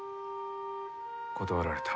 断られた。